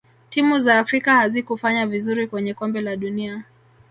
timu za afrika hazikufanya vizuri kwenye kombe la dunia